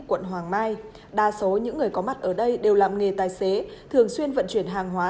quận hoàng mai đa số những người có mặt ở đây đều làm nghề tài xế thường xuyên vận chuyển hàng hóa